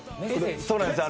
そうなんですよ。